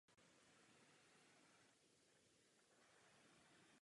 Nasazovány byly ve všech velkých operacích na východní frontě až do konce války.